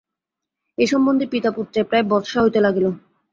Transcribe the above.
এ সম্বন্ধে পিতাপুত্রে প্রায় বচসা হইতে লাগিল।